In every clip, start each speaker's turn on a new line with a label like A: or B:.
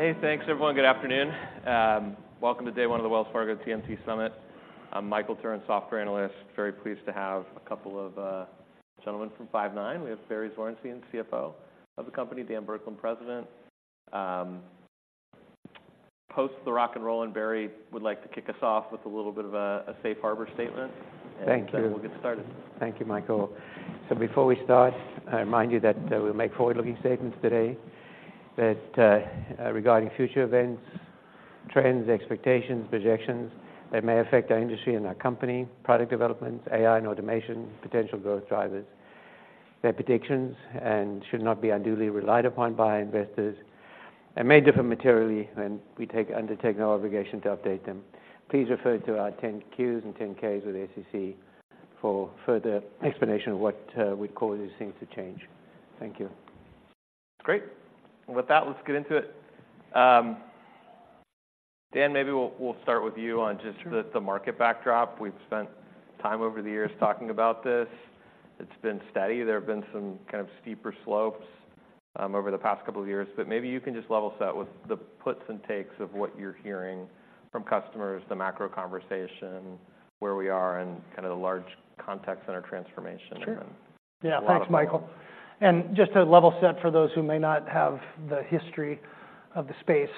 A: Hey, thanks, everyone. Good afternoon. Welcome to day one of the Wells Fargo TMT Summit. I'm Michael Turrin, software analyst. Very pleased to have a couple of gentlemen from Five9. We have Barry Zwarenstein, CFO of the company, Dan Burkland, President. Post the rock and roll, and Barry would like to kick us off with a little bit of a safe harbor statement-
B: Thank you.
A: We'll get started.
B: Thank you, Michael. So before we start, I remind you that, we'll make forward-looking statements today, that, regarding future events, trends, expectations, projections that may affect our industry and our company, product developments, AI and automation, potential growth drivers. They're predictions and should not be unduly relied upon by investors, and may differ materially, and we undertake no obligation to update them. Please refer to our 10-Qs and 10-Ks with the SEC for further explanation of what, we call these things to change. Thank you.
A: Great. With that, let's get into it. Dan, maybe we'll, we'll start with you on just-
C: Sure...
A: the market backdrop. We've spent time over the years talking about this. It's been steady. There have been some kind of steeper slopes over the past couple of years, but maybe you can just level set with the puts and takes of what you're hearing from customers, the macro conversation, where we are, and kinda the large contact center transformation.
C: Sure.
A: Yeah.
C: Thanks, Michael. Just to level set for those who may not have the history of the space,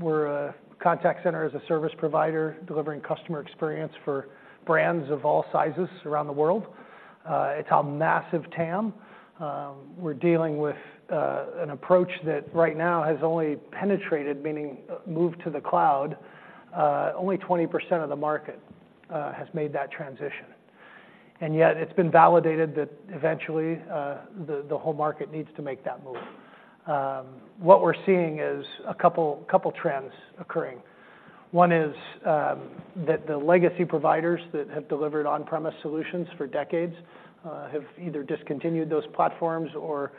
C: we're a contact center as a service provider, delivering customer experience for brands of all sizes around the world. It's a massive TAM. We're dealing with an approach that right now has only penetrated, meaning, moved to the cloud, only 20% of the market has made that transition. Yet it's been validated that eventually, the whole market needs to make that move. What we're seeing is a couple trends occurring. One is that the legacy providers that have delivered on-premise solutions for decades have either discontinued those platforms or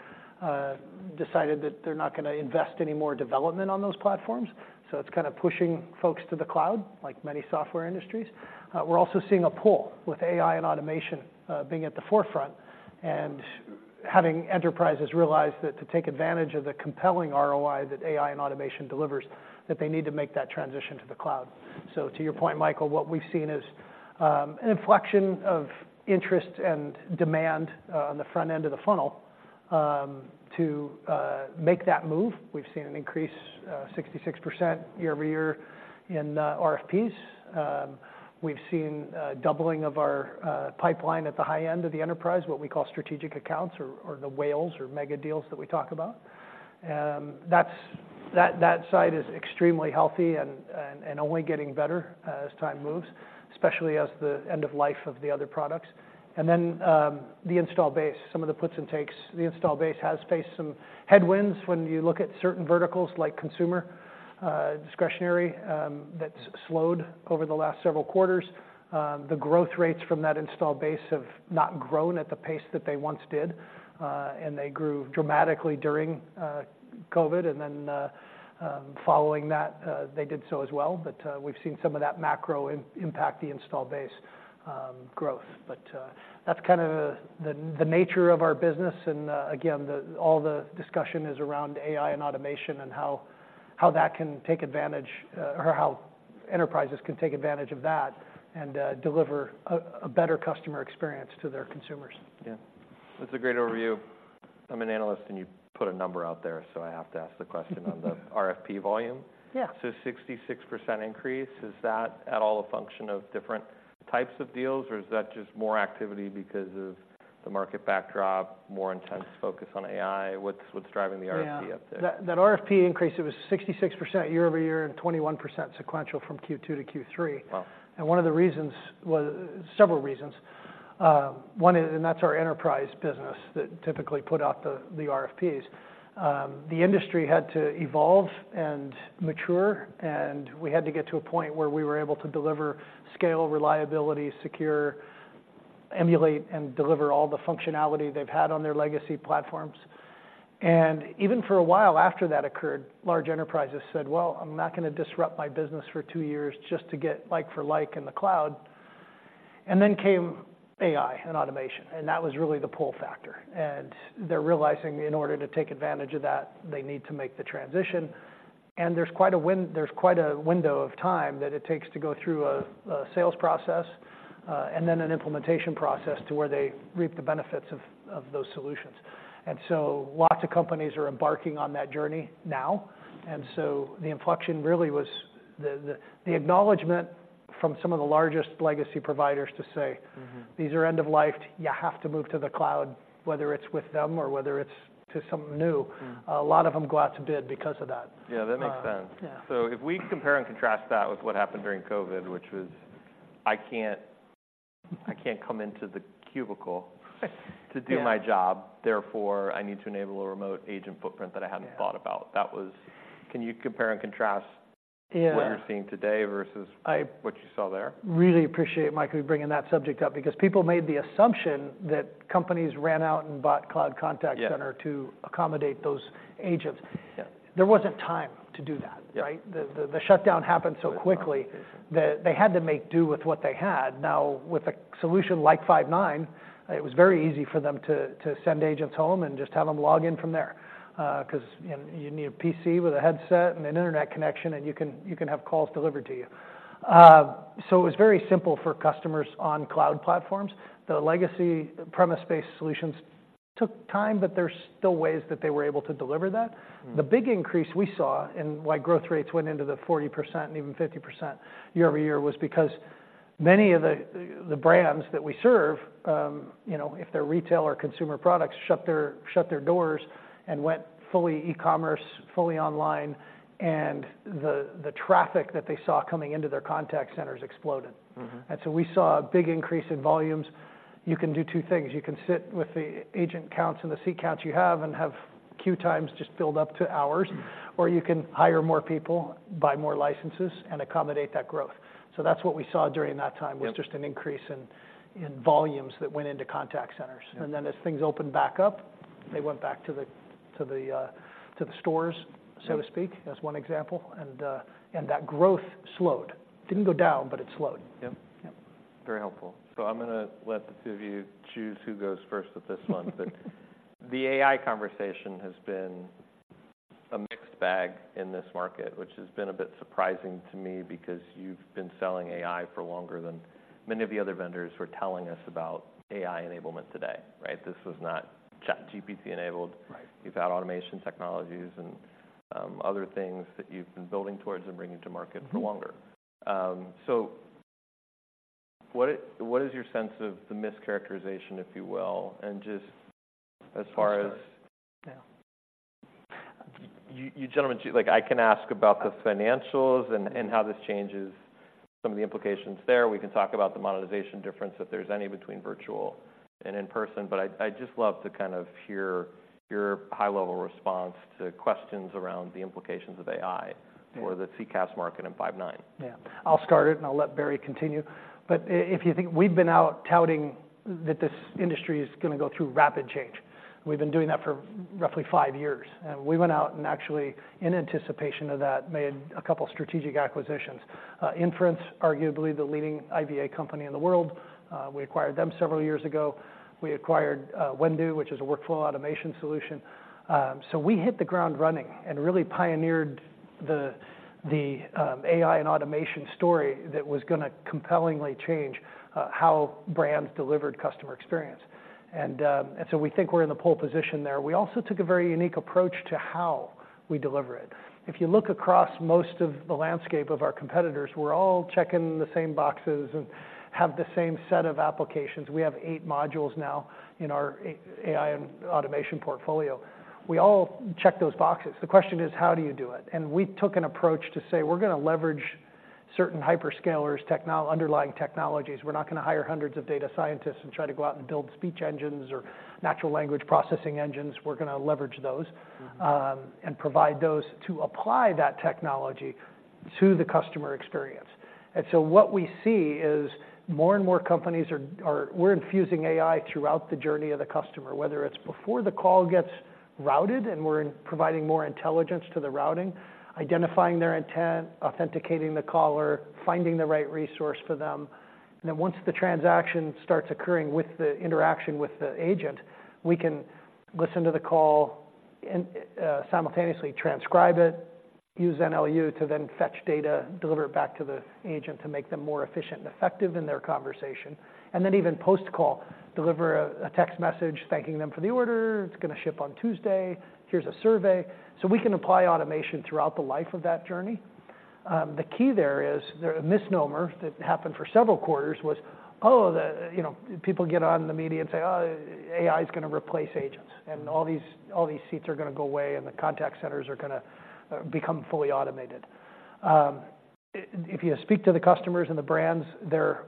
C: decided that they're not gonna invest any more development on those platforms. So it's kinda pushing folks to the cloud, like many software industries. We're also seeing a pull, with AI and automation, being at the forefront, and having enterprises realize that to take advantage of the compelling ROI that AI and automation delivers, that they need to make that transition to the cloud. So to your point, Michael, what we've seen is, an inflection of interest and demand, on the front end of the funnel, to make that move. We've seen an increase, 66% year-over-year in RFPs. We've seen a doubling of our pipeline at the high end of the enterprise, what we call strategic accounts or the whales or mega deals that we talk about. That's that side is extremely healthy and only getting better as time moves, especially as the end of life of the other products. And then, the install base, some of the puts and takes. The install base has faced some headwinds when you look at certain verticals like consumer discretionary, that's slowed over the last several quarters. The growth rates from that install base have not grown at the pace that they once did, and they grew dramatically during COVID, and then, following that, they did so as well. But, we've seen some of that macro impact the install base, growth. But, that's kinda the, the nature of our business, and, again, the, all the discussion is around AI and automation and how, how that can take advantage, or how enterprises can take advantage of that and, deliver a, a better customer experience to their consumers.
A: Yeah. That's a great overview. I'm an analyst, and you put a number out there, so I have to ask the question on the RFP volume.
C: Yeah.
A: So 66% increase, is that at all a function of different types of deals, or is that just more activity because of the market backdrop, more intense focus on AI? What's, what's driving the RFP up there?
C: Yeah. That, that RFP increase, it was 66% year-over-year and 21% sequential from Q2 to Q3.
A: Wow!
C: One of the reasons was... Several reasons. One is, and that's our enterprise business, that typically put out the, the RFPs. The industry had to evolve and mature, and we had to get to a point where we were able to deliver scale, reliability, secure, emulate, and deliver all the functionality they've had on their legacy platforms. And even for a while after that occurred, large enterprises said, "Well, I'm not gonna disrupt my business for two years just to get like for like in the cloud." And then came AI and automation, and that was really the pull factor, and they're realizing in order to take advantage of that, they need to make the transition. There's quite a window of time that it takes to go through a sales process and then an implementation process to where they reap the benefits of those solutions. So lots of companies are embarking on that journey now. So the inflection really was the acknowledgment from some of the largest legacy providers to say-
A: Mm-hmm...
C: "These are end of life. You have to move to the cloud," whether it's with them or whether it's to something new.
A: Mm.
C: A lot of them go out to bid because of that.
A: Yeah, that makes sense.
C: Uh, yeah.
A: So if we compare and contrast that with what happened during COVID, which was, I can't come into the cubicle-
C: Yeah
A: to do my job, therefore, I need to enable a remote agent footprint that I hadn't-
C: Yeah
A: -thought about. That was... Can you compare and contrast-
C: Yeah
A: what you're seeing today versus
C: I-
A: What you saw there?
C: Really appreciate, Michael, you bringing that subject up, because people made the assumption that companies ran out and bought cloud contact center-
A: Yeah...
C: to accommodate those agents.
A: Yeah.
C: There wasn't time to do that.... Right? The shutdown happened so quickly that they had to make do with what they had. Now, with a solution like Five9, it was very easy for them to send agents home and just have them log in from there. 'Cause, you know, you need a PC with a headset and an internet connection, and you can have calls delivered to you. So it was very simple for customers on cloud platforms. The legacy premises-based solutions took time, but there's still ways that they were able to deliver that.
A: Mm-hmm.
C: The big increase we saw, and why growth rates went into the 40% and even 50% year-over-year, was because many of the brands that we serve, you know, if they're retail or consumer products, shut their doors and went fully e-commerce, fully online, and the traffic that they saw coming into their contact centers exploded.
A: Mm-hmm.
C: We saw a big increase in volumes. You can do two things: You can sit with the agent counts and the seat counts you have and have queue times just build up to hours, or you can hire more people, buy more licenses, and accommodate that growth. That's what we saw during that time-
A: Yep...
C: was just an increase in volumes that went into contact centers.
A: Yeah.
C: As things opened back up, they went back to the stores.
A: Yeah...
C: so to speak, as one example. And that growth slowed. Didn't go down, but it slowed.
A: Yep.
C: Yep.
A: Very helpful. So I'm gonna let the two of you choose who goes first with this one. But the AI conversation has been a mixed bag in this market, which has been a bit surprising to me because you've been selling AI for longer than many of the other vendors who are telling us about AI enablement today, right? This was not ChatGPT enabled.
C: Right.
A: You've had automation technologies and, other things that you've been building towards and bringing to market for longer.
C: Mm-hmm.
A: So what is your sense of the mischaracterization, if you will, and just as far as-
C: Yeah.
A: You, you gentlemen, like, I can ask about the financials and how this changes some of the implications there. We can talk about the monetization difference, if there's any, between virtual and in-person, but I'd just love to kind of hear your high-level response to questions around the implications of AI.
C: Yeah...
A: for the CCaaS market in Five9.
C: Yeah. I'll start it, and I'll let Barry continue. But if you think we've been out touting that this industry is gonna go through rapid change, we've been doing that for roughly five years. We went out and actually, in anticipation of that, made a couple strategic acquisitions. Inference, arguably the leading IVA company in the world, we acquired them several years ago. We acquired Whendu, which is a workflow automation solution. So we hit the ground running and really pioneered the AI and automation story that was gonna compellingly change how brands delivered customer experience. And so we think we're in the pole position there. We also took a very unique approach to how we deliver it. If you look across most of the landscape of our competitors, we're all checking the same boxes and have the same set of applications. We have eight modules now in our AI and automation portfolio. We all check those boxes. The question is, how do you do it? And we took an approach to say: We're gonna leverage certain hyperscalers underlying technologies. We're not gonna hire hundreds of data scientists and try to go out and build speech engines or natural language processing engines. We're gonna leverage those-
A: Mm-hmm...
C: and provide those to apply that technology to the customer experience. And so what we see is more and more companies are. We're infusing AI throughout the journey of the customer, whether it's before the call gets routed, and we're providing more intelligence to the routing, identifying their intent, authenticating the caller, finding the right resource for them. And then once the transaction starts occurring with the interaction with the agent, we can listen to the call and, simultaneously transcribe it, use NLU to then fetch data, deliver it back to the agent to make them more efficient and effective in their conversation. And then even post-call, deliver a text message thanking them for the order, "It's gonna ship on Tuesday. Here's a survey." So we can apply automation throughout the life of that journey. The key there is, there's a misnomer that happened for several quarters was, oh, the... You know, people get on the media and say: AI is gonna replace agents, and all these, all these seats are gonna go away, and the contact centers are gonna become fully automated. If you speak to the customers and the brands, they're,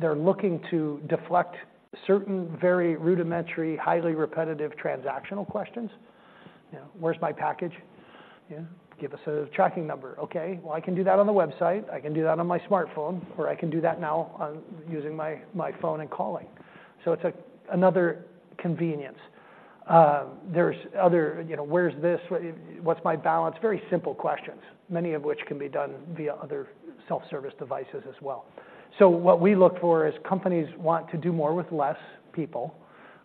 C: they're looking to deflect certain very rudimentary, highly repetitive, transactional questions. You know, "Where's my package?" You know, "Give us a tracking number." "Okay, well, I can do that on the website, I can do that on my smartphone, or I can do that now on using my, my phone and calling." So it's a, another convenience. There's other, you know, "Where's this? What's my balance?" Very simple questions, many of which can be done via other self-service devices as well. So what we look for is companies want to do more with less people,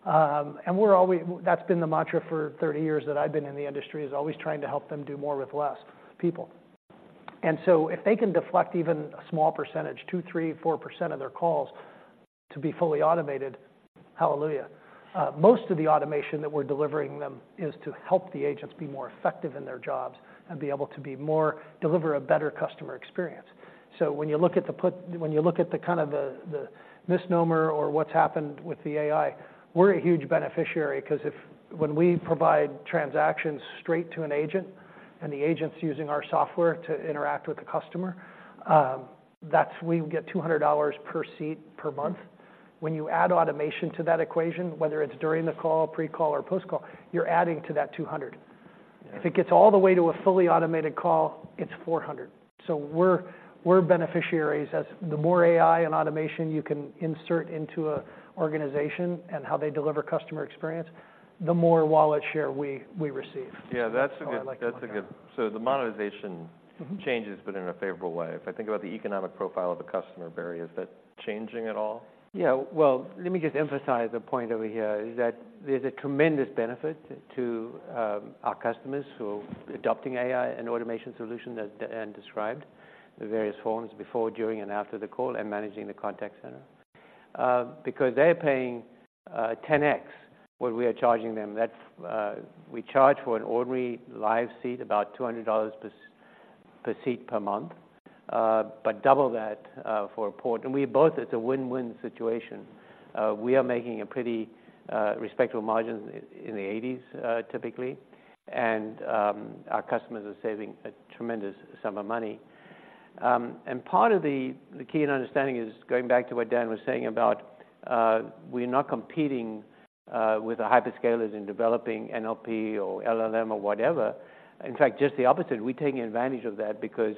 C: and we're – that's been the mantra for 30 years that I've been in the industry, is always trying to help them do more with less people. And so if they can deflect even a small percentage, 2%, 3%, 4% of their calls to be fully automated, hallelujah. Most of the automation that we're delivering them is to help the agents be more effective in their jobs and be able to be more... deliver a better customer experience. So when you look at the kind of misnomer or what's happened with the AI, we're a huge beneficiary, 'cause if... When we provide transactions straight to an agent, and the agent's using our software to interact with the customer, we get $200 per seat per month.
A: Mm-hmm.
C: When you add automation to that equation, whether it's during the call, pre-call, or post-call, you're adding to that 200.... If it gets all the way to a fully automated call, it's 400. So we're, we're beneficiaries. As the more AI and automation you can insert into a organization and how they deliver customer experience, the more wallet share we, we receive.
A: Yeah, that's a good... So the monetization-
C: Mm-hmm.
A: -changes, but in a favorable way. If I think about the economic profile of the customer, Barry, is that changing at all?
B: Yeah, well, let me just emphasize the point over here, is that there's a tremendous benefit to our customers who are adopting AI and automation solution, as Dan described, the various forms before, during, and after the call, and managing the contact center. Because they're paying 10x what we are charging them. That's, we charge for an ordinary live seat about $200 per seat per month, but double that for a port. And we both, it's a win-win situation. We are making a pretty respectable margin in the 80s%, typically, and our customers are saving a tremendous sum of money. And part of the key and understanding is going back to what Dan was saying about, we're not competing with the hyperscalers in developing NLP or LLM or whatever. In fact, just the opposite. We're taking advantage of that because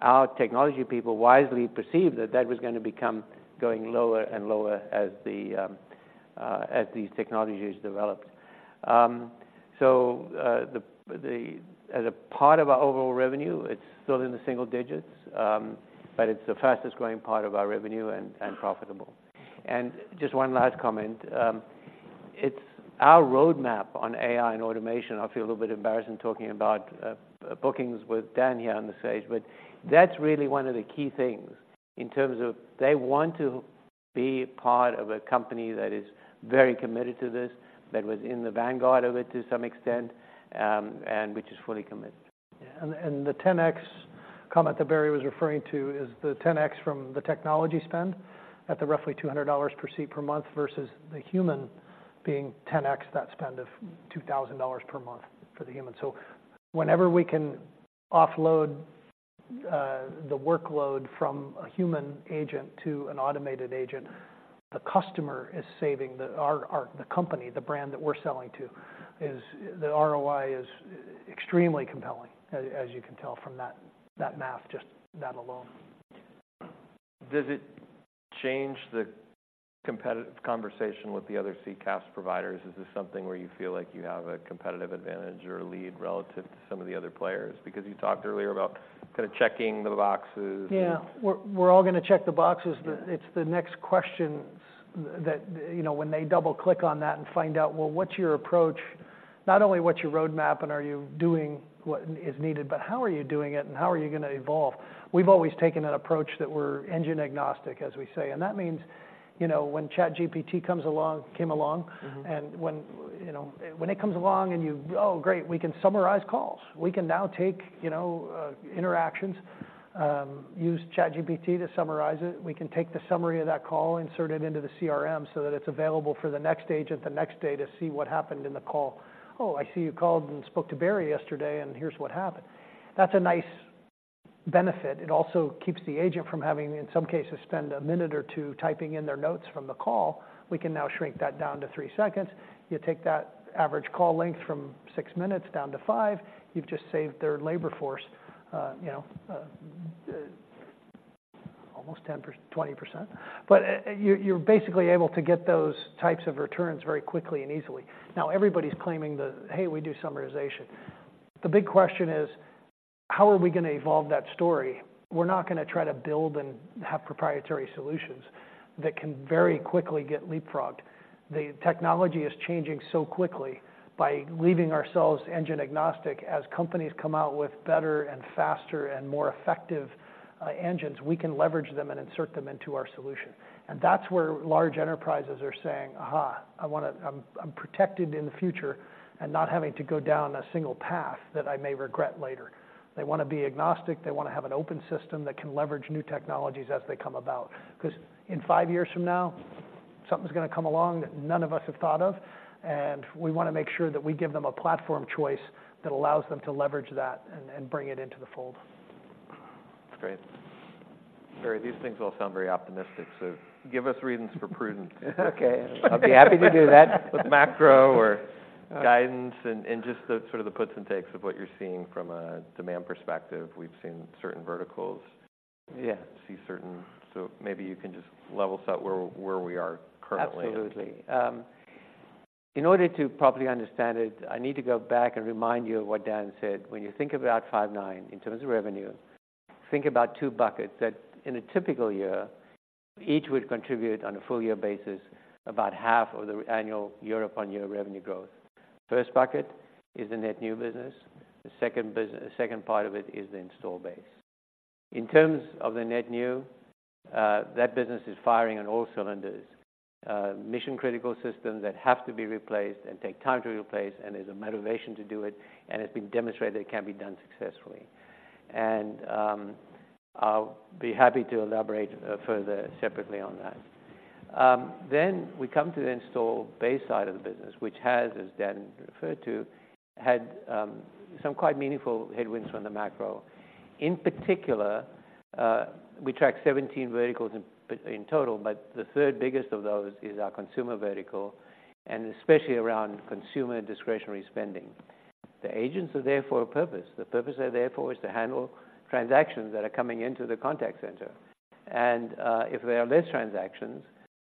B: our technology people wisely perceived that that was gonna become going lower and lower as the as these technologies developed. So, as a part of our overall revenue, it's still in the single digits, but it's the fastest growing part of our revenue and profitable. And just one last comment. It's our roadmap on AI and automation. I feel a little bit embarrassed in talking about bookings with Dan here on the stage, but that's really one of the key things in terms of they want to be part of a company that is very committed to this, that was in the vanguard of it to some extent, and which is fully committed.
C: Yeah. And the 10x comment that Barry was referring to is the 10x from the technology spend at the roughly $200 per seat per month, versus the human being 10x, that spend of $2,000 per month for the human. So whenever we can offload the workload from a human agent to an automated agent, the customer is saving. The company, the brand that we're selling to, the ROI is extremely compelling, as you can tell from that math, just that alone.
A: Does it change the competitive conversation with the other CCaaS providers? Is this something where you feel like you have a competitive advantage or a lead relative to some of the other players? Because you talked earlier about kind of checking the boxes.
C: Yeah. We're all gonna check the boxes.
A: Yeah.
C: But it's the next questions that, you know, when they double-click on that and find out, well, what's your approach? Not only what's your roadmap and are you doing what is needed, but how are you doing it and how are you gonna evolve? We've always taken an approach that we're engine-agnostic, as we say, and that means, you know, when ChatGPT comes along—came along-
A: Mm-hmm.
C: and when, you know. When it comes along and you, "Oh, great, we can summarize calls." We can now take, you know, interactions, use ChatGPT to summarize it. We can take the summary of that call, insert it into the CRM so that it's available for the next agent, the next day to see what happened in the call. "Oh, I see you called and spoke to Barry yesterday, and here's what happened." That's a nice benefit. It also keeps the agent from having, in some cases, spend a minute or two typing in their notes from the call. We can now shrink that down to three seconds. You take that average call length from six minutes down to five, you've just saved their labor force, almost 20%. You're basically able to get those types of returns very quickly and easily. Now, everybody's claiming that, "Hey, we do summarization." The big question is: How are we gonna evolve that story? We're not gonna try to build and have proprietary solutions that can very quickly get leapfrogged. The technology is changing so quickly. By leaving ourselves engine-agnostic, as companies come out with better and faster and more effective engines, we can leverage them and insert them into our solution. That's where large enterprises are saying, "Aha, I wanna, I'm protected in the future and not having to go down a single path that I may regret later." They wanna be agnostic. They wanna have an open system that can leverage new technologies as they come about. 'Cause in five years from now, something's gonna come along that none of us have thought of, and we wanna make sure that we give them a platform choice that allows them to leverage that and bring it into the fold.
A: Great. Barry, these things all sound very optimistic, so give us reasons for prudence.
B: Okay. I'll be happy to do that.
A: With macro or guidance and just the sort of puts and takes of what you're seeing from a demand perspective. We've seen certain verticals-
B: Yeah
A: So maybe you can just level set where, where we are currently.
B: Absolutely. In order to properly understand it, I need to go back and remind you of what Dan said. When you think about Five9 in terms of revenue, think about two buckets that in a typical year, each would contribute on a full year basis, about half of the annual year-over-year revenue growth. First bucket is the net new business, the second part of it is the install base. In terms of the net new, that business is firing on all cylinders, mission-critical systems that have to be replaced and take time to replace, and there's a motivation to do it, and it's been demonstrated it can be done successfully. I'll be happy to elaborate further separately on that. Then we come to the installed base side of the business, which has, as Dan referred to, had some quite meaningful headwinds from the macro. In particular, we track 17 verticals in total, but the third biggest of those is our consumer vertical, and especially around consumer discretionary spending. The agents are there for a purpose. The purpose they're there for is to handle transactions that are coming into the contact center. And if there are less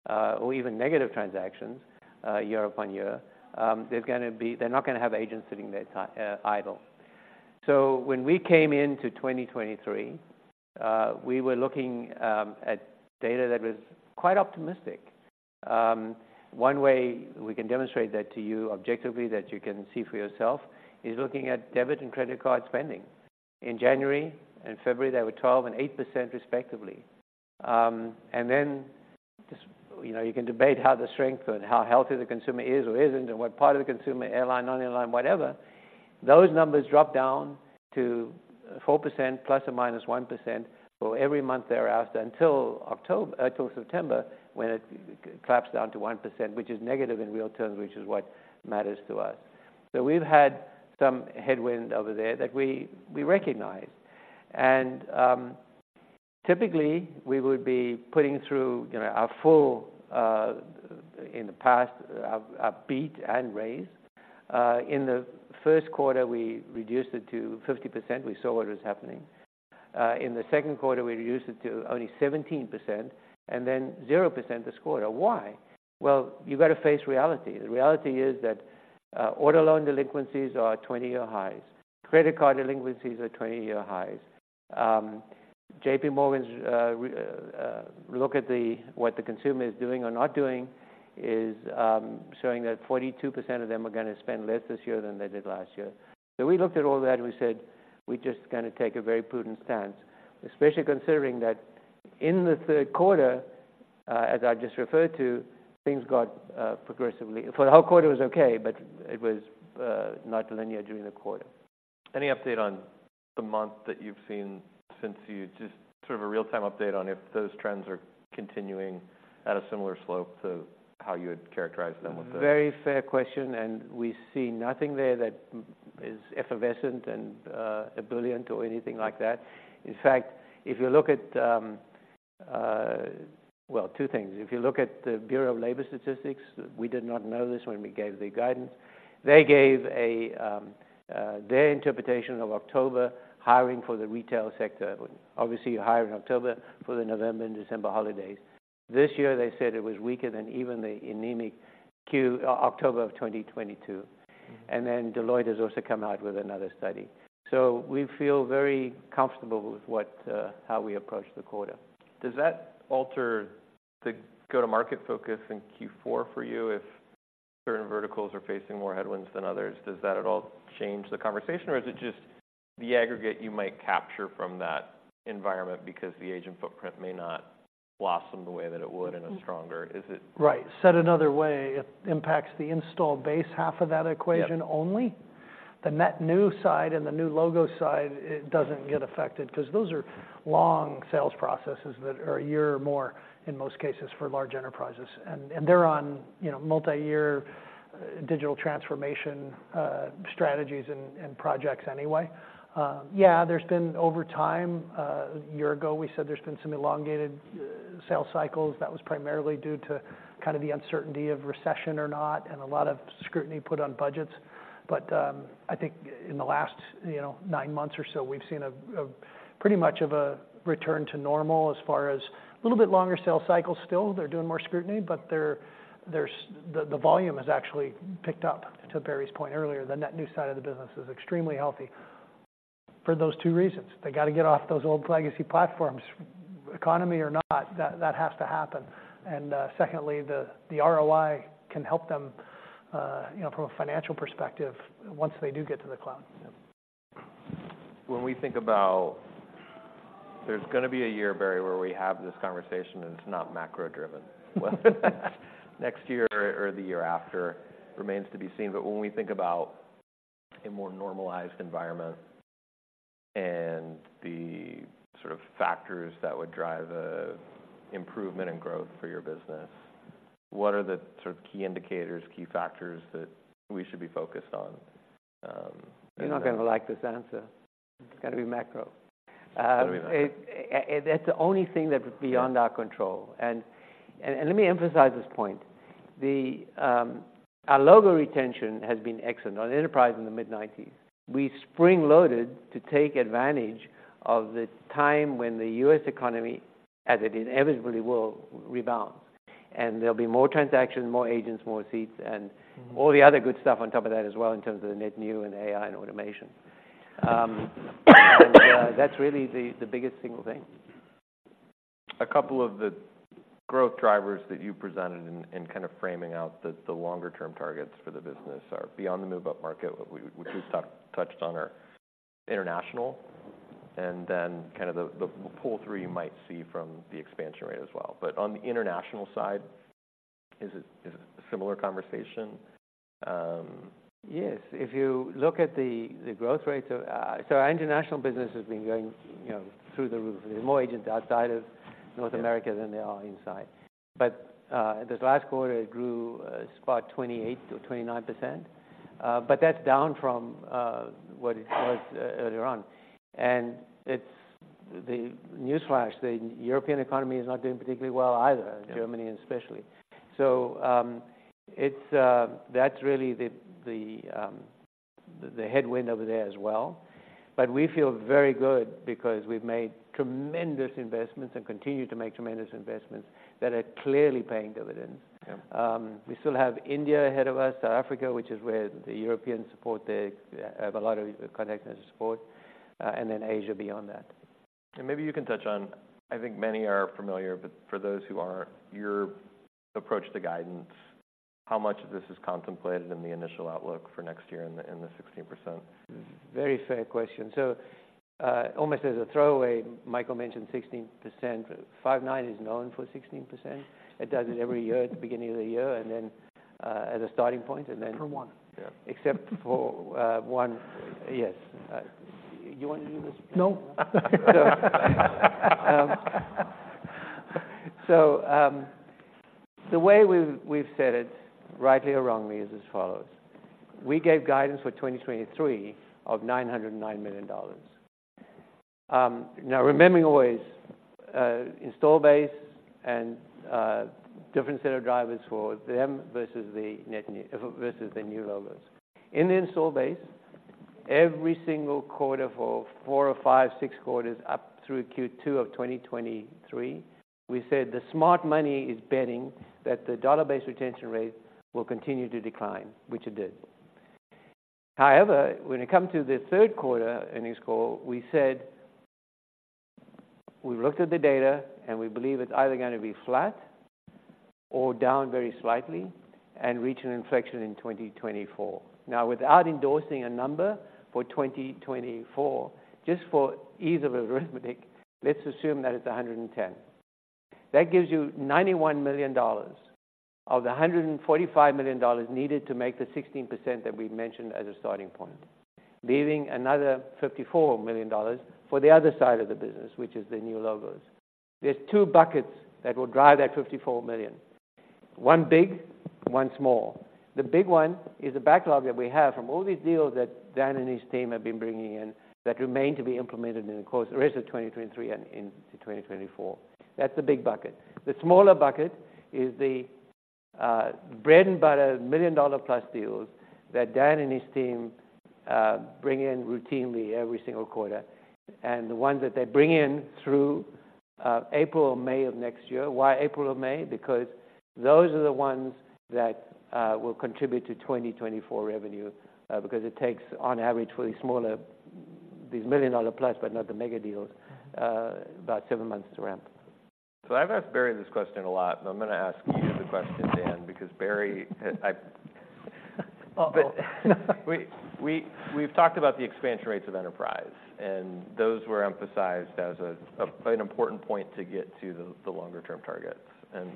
B: transactions, or even negative transactions, year upon year, there's gonna be—they're not gonna have agents sitting there idle. So when we came into 2023, we were looking at data that was quite optimistic. One way we can demonstrate that to you objectively, that you can see for yourself, is looking at debit and credit card spending. In January and February, they were 12% and 8% respectively. And then, just, you know, you can debate how the strength and how healthy the consumer is or isn't, and what part of the consumer, airline, non-airline, whatever. Those numbers dropped down to 4%, ±1%, for every month thereafter, until October... till September, when it collapsed down to 1%, which is negative in real terms, which is what matters to us. So we've had some headwind over there that we, we recognize. And, typically, we would be putting through, you know, our full, beat and raise. In the first quarter, we reduced it to 50%. We saw what was happening. In the second quarter, we reduced it to only 17% and then 0% this quarter. Why? Well, you've got to face reality. The reality is that auto loan delinquencies are at 20-year highs. Credit card delinquencies are at 20-year highs. J.P. Morgan's look at the... what the consumer is doing or not doing is showing that 42% of them are gonna spend less this year than they did last year. So we looked at all that, and we said, "We're just gonna take a very prudent stance," especially considering that in the third quarter, as I just referred to, things got progressively... For the whole quarter, it was okay, but it was not linear during the quarter.
A: Any update on the month that you've seen since you just sort of a real-time update on if those trends are continuing at a similar slope to how you would characterize them with the?
B: Very fair question, and we see nothing there that is effervescent and, ebullient or anything like that. In fact, if you look at, well, two things. If you look at the Bureau of Labor Statistics, we did not know this when we gave the guidance. They gave a, their interpretation of October hiring for the retail sector. Obviously, you hire in October for the November and December holidays. This year, they said it was weaker than even the anemic October of 2022. And then, Deloitte has also come out with another study. So we feel very comfortable with what, how we approach the quarter.
A: Does that alter the go-to-market focus in Q4 for you, if certain verticals are facing more headwinds than others? Does that at all change the conversation, or is it just the aggregate you might capture from that environment because the agent footprint may not blossom the way that it would in a stronger... Is it-
C: Right. Said another way, it impacts the installed base half of that equation only.
A: Yeah.
C: The net new side and the new logo side, it doesn't get affected because those are long sales processes that are a year or more, in most cases, for large enterprises. And they're on, you know, multi-year digital transformation strategies and projects anyway. Yeah, there's been over time, a year ago, we said there's been some elongated sales cycles. That was primarily due to kind of the uncertainty of recession or not, and a lot of scrutiny put on budgets. But I think in the last, you know, nine months or so, we've seen a pretty much of a return to normal as far as a little bit longer sales cycle still. They're doing more scrutiny, but there's... The volume has actually picked up, to Barry's point earlier. The net new side of the business is extremely healthy for those two reasons. They got to get off those old legacy platforms. Economy or not, that has to happen. And, secondly, the ROI can help them, you know, from a financial perspective, once they do get to the cloud.
A: When we think about, there's gonna be a year, Barry, where we have this conversation, and it's not macro-driven. Whether next year or the year after remains to be seen. But when we think about a more normalized environment and the sort of factors that would drive a improvement and growth for your business, what are the sort of key indicators, key factors that we should be focused on?
B: You're not gonna like this answer. It's gonna be macro.
A: It's gonna be macro.
B: That's the only thing that's beyond our control.
A: Yeah.
B: Let me emphasize this point. Our logo retention has been excellent, on enterprise, in the mid-90s%. We spring-loaded to take advantage of the time when the U.S. economy, as it inevitably will, rebounds. And there'll be more transactions, more agents, more seats, and-
A: Mm
B: all the other good stuff on top of that as well, in terms of the net new, and AI, and automation. That's really the biggest single thing.
A: A couple of the growth drivers that you presented in kind of framing out the longer term targets for the business are beyond the move-up market, which we've touched on, are international, and then kind of the pull through you might see from the expansion rate as well. But on the international side, is it a similar conversation?
B: Yes. If you look at the growth rates of... So our international business has been going, you know, through the roof. There are more agents outside of North America-
A: Yeah
B: —than there are inside. But, this last quarter, it grew about 28 or 29%... but that's down from what it was earlier on. And it's no newsflash, the European economy is not doing particularly well either—
A: Yeah
B: Germany especially. So, it's, that's really the headwind over there as well. But we feel very good because we've made tremendous investments and continue to make tremendous investments that are clearly paying dividends.
A: Yeah.
B: We still have India ahead of us, South Africa, which is where the Europeans have a lot of contact center support, and then Asia beyond that.
A: Maybe you can touch on, I think many are familiar, but for those who aren't, your approach to guidance, how much of this is contemplated in the initial outlook for next year in the 16%?
B: Very fair question. So, almost as a throwaway, Michael mentioned 16%. Five9 is known for 16%. It does it every year at the beginning of the year, and then, as a starting point, and then-
C: For one. Yeah.
B: Except for one... Yes. Do you want to do this?
C: No.
B: So, the way we've said it, rightly or wrongly, is as follows: We gave guidance for 2023 of $909 million. Now, remembering always, install base and different set of drivers for them versus the net new versus the new logos. In the install base, every single quarter for four or five, six quarters, up through Q2 of 2023, we said the smart money is betting that the dollar-based retention rate will continue to decline, which it did. However, when it come to the third quarter earnings call, we said we looked at the data, and we believe it's either gonna be flat or down very slightly and reach an inflection in 2024. Now, without endorsing a number for 2024, just for ease of arithmetic, let's assume that it's 110. That gives you $91 million of the $145 million needed to make the 16% that we mentioned as a starting point, leaving another $54 million for the other side of the business, which is the new logos. There's two buckets that will drive that $54 million: one big, one small. The big one is the backlog that we have from all the deals that Dan and his team have been bringing in that remain to be implemented in the course of the rest of 2023 and into 2024. That's the big bucket. The smaller bucket is the bread-and-butter million-dollar-plus deals that Dan and his team bring in routinely every single quarter, and the ones that they bring in through April or May of next year. Why April or May? Because those are the ones that will contribute to 2024 revenue, because it takes, on average, for the smaller... these million-dollar plus, but not the mega deals, about seven months to ramp.
A: So I've asked Barry this question a lot, but I'm gonna ask you the question, Dan, because, Barry, I-
C: Uh-oh.
A: We've talked about the expansion rates of enterprise, and those were emphasized as an important point to get to the longer term targets. And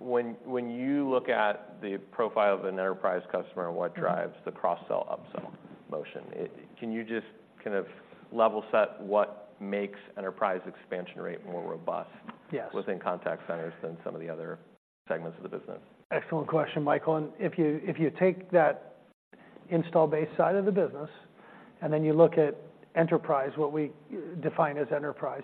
A: when you look at the profile of an enterprise customer and what drives the cross-sell, up-sell motion, it... Can you just kind of level set what makes enterprise expansion rate more robust-
C: Yes
A: within contact centers than some of the other segments of the business?
C: Excellent question, Michael. And if you, if you take that install base side of the business, and then you look at enterprise, what we define as enterprise,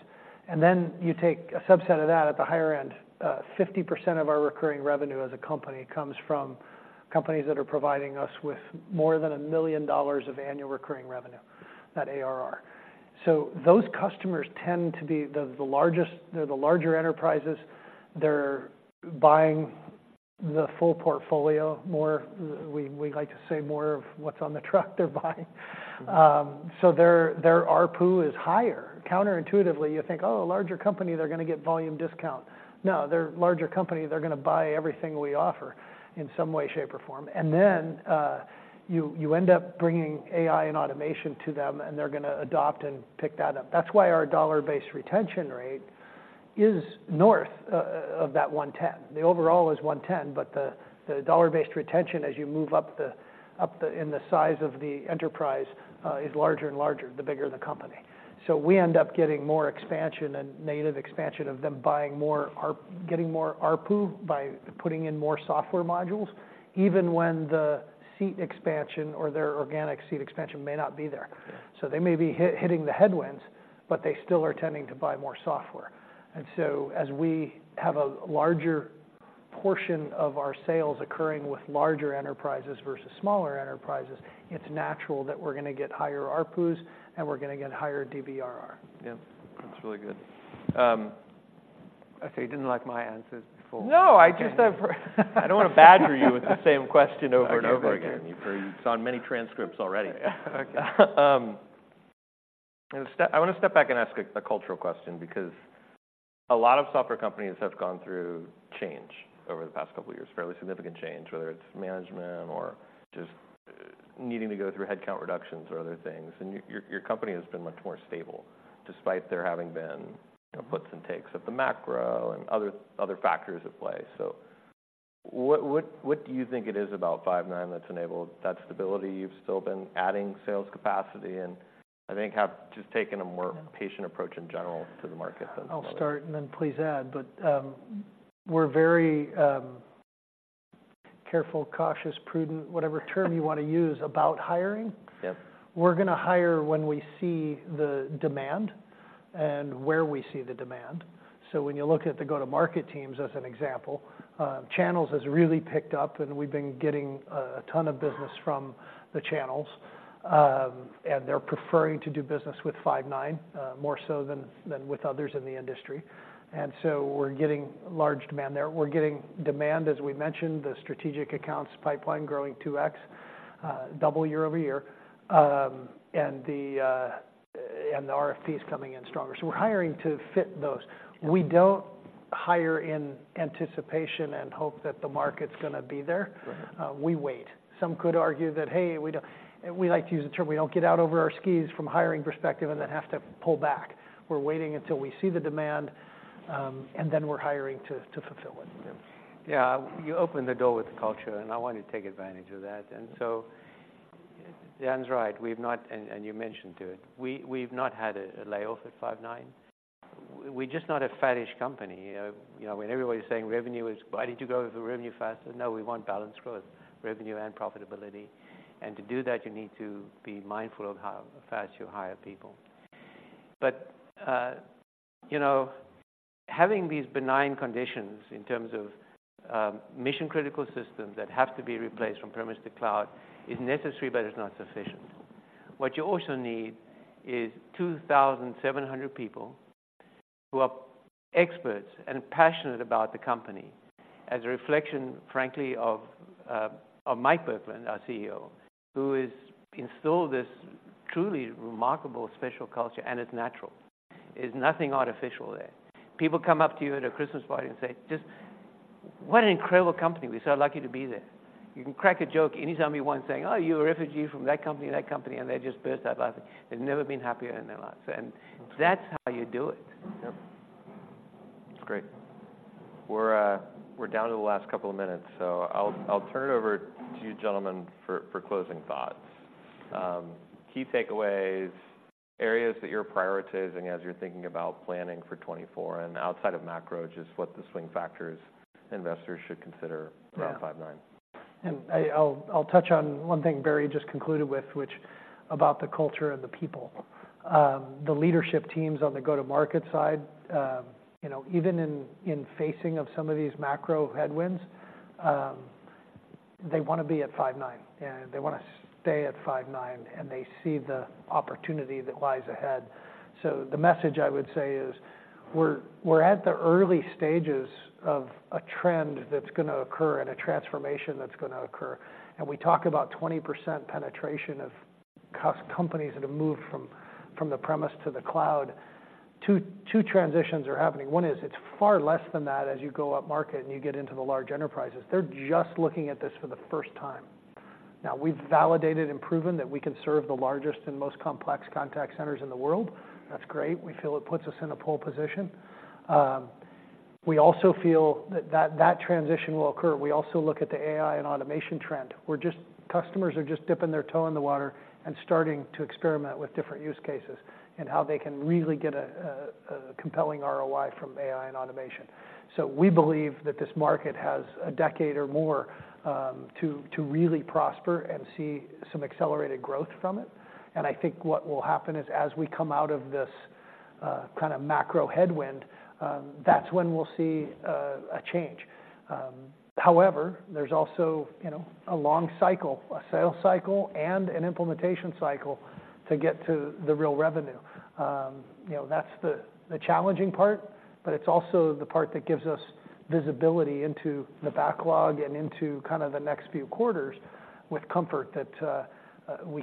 C: and then you take a subset of that at the higher end, 50% of our recurring revenue as a company comes from companies that are providing us with more than $1 million of annual recurring revenue, that ARR. So those customers tend to be the, the largest, they're the larger enterprises. They're buying the full portfolio more. We, we like to say more of what's on the truck they're buying. So their, their ARPU is higher. Counterintuitively, you think, "Oh, a larger company, they're gonna get volume discount." No, they're larger company, they're gonna buy everything we offer in some way, shape, or form. You end up bringing AI and automation to them, and they're gonna adopt and pick that up. That's why our dollar-based retention rate is north of 110. The overall is 110, but the dollar-based retention, as you move up in the size of the enterprise, is larger and larger, the bigger the company. So we end up getting more expansion and native expansion of them buying more ARPU by putting in more software modules, even when the seat expansion or their organic seat expansion may not be there.
A: Yeah.
C: So they may be hitting the headwinds, but they still are tending to buy more software. And so as we have a larger portion of our sales occurring with larger enterprises versus smaller enterprises, it's natural that we're gonna get higher ARPUs, and we're gonna get higher DBRR.
A: Yeah, that's really good.
B: I see you didn't like my answers before.
A: No, I just I don't want to badger you with the same question over and over again.
B: Okay.
A: You've heard it on many transcripts already.
B: Yeah. Okay.
A: I want to step back and ask a cultural question, because a lot of software companies have gone through change over the past couple of years, fairly significant change, whether it's management or just needing to go through headcount reductions or other things, and your company has been much more stable, despite there having been, you know, puts and takes of the macro and other factors at play. So what do you think it is about Five9 that's enabled that stability? You've still been adding sales capacity, and I think have just taken a more patient approach in general to the market than others.
C: I'll start, and then please add. But, we're very careful, cautious, prudent, whatever term you want to use about hiring.
B: Yep.
C: We're gonna hire when we see the demand and where we see the demand. So when you look at the go-to-market teams, as an example, channels has really picked up, and we've been getting a ton of business from the channels. And they're preferring to do business with Five9, more so than with others in the industry. And so we're getting large demand there. We're getting demand, as we mentioned, the strategic accounts pipeline growing 2x, double year-over-year. And the RFP is coming in stronger. So we're hiring to fit those.
B: Yeah.
C: We don't hire in anticipation and hope that the market's gonna be there.
B: Right.
C: We wait. Some could argue that, "Hey, we don't-" We like to use the term, we don't get out over our skis from hiring perspective and then have to pull back. We're waiting until we see the demand, and then we're hiring to fulfill it.
B: Yeah. You opened the door with the culture, and I want to take advantage of that. And so Dan's right, and you mentioned it, we've not had a layoff at Five9. We're just not a faddish company. You know, when everybody's saying revenue is... Why did you go with the revenue faster? No, we want balanced growth, revenue and profitability. And to do that, you need to be mindful of how fast you hire people. But, you know, having these benign conditions in terms of mission-critical systems that have to be replaced from premise to cloud is necessary, but it's not sufficient. What you also need is 2,700 people who are experts and passionate about the company as a reflection, frankly, of, of Mike Burkland, our CEO, who has instilled this truly remarkable special culture, and it's natural. There's nothing artificial there. People come up to you at a Christmas party and say, "Just what an incredible company. We're so lucky to be there." You can crack a joke anytime you want, saying, "Oh, you're a refugee from that company, that company," and they just burst out laughing. They've never been happier in their lives, and that's how you do it.
C: Yep.
A: That's great. We're, we're down to the last couple of minutes, so I'll, I'll turn it over to you, gentlemen, for, for closing thoughts. Key takeaways, areas that you're prioritizing as you're thinking about planning for 2024, and outside of macro, just what the swing factors investors should consider-
B: Yeah...
A: around Five9.
C: I'll touch on one thing Barry just concluded with, which about the culture and the people. The leadership teams on the go-to-market side, you know, even in facing some of these macro headwinds, they wanna be at Five9, and they wanna stay at Five9, and they see the opportunity that lies ahead. So the message I would say is, we're at the early stages of a trend that's gonna occur and a transformation that's gonna occur. We talk about 20% penetration of companies that have moved from the premise to the cloud. Two transitions are happening. One is it's far less than that as you go up market, and you get into the large enterprises. They're just looking at this for the first time. Now, we've validated and proven that we can serve the largest and most complex contact centers in the world. That's great. We feel it puts us in a pole position. We also feel that that transition will occur. We also look at the AI and automation trend, where just customers are just dipping their toe in the water and starting to experiment with different use cases and how they can really get a compelling ROI from AI and automation. So we believe that this market has a decade or more to really prosper and see some accelerated growth from it. And I think what will happen is, as we come out of this kind of macro headwind, that's when we'll see a change. However, there's also, you know, a long cycle, a sales cycle, and an implementation cycle to get to the real revenue. You know, that's the challenging part, but it's also the part that gives us visibility into the backlog and into kind of the next few quarters with comfort that we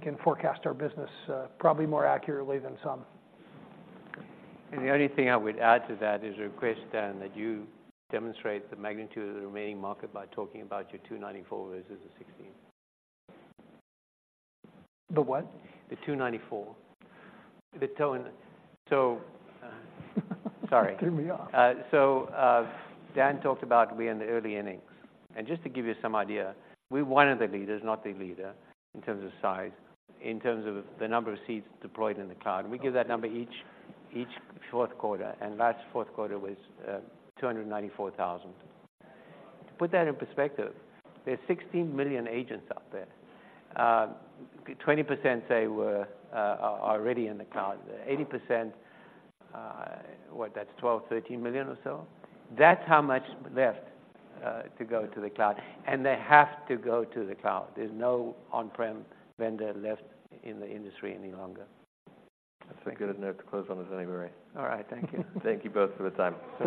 C: can forecast our business probably more accurately than some.
B: The only thing I would add to that is a request, Dan, that you demonstrate the magnitude of the remaining market by talking about your 294 versus the 16.
C: The what?
B: The 294. The total. So, sorry.
C: Threw me off.
B: So, Dan talked about we're in the early innings. Just to give you some idea, we're one of the leaders, not the leader, in terms of size, in terms of the number of seats deployed in the cloud. We give that number each fourth quarter, and last fourth quarter was 294,000. To put that in perspective, there's 16 million agents out there. 20% say we're already in the cloud. 80%, what? That's 12-13 million or so. That's how much left to go to the cloud, and they have to go to the cloud. There's no on-prem vendor left in the industry any longer.
A: That's a good note to close on this anyway.
B: All right. Thank you.
A: Thank you both for the time.